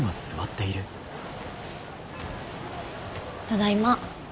ただいま。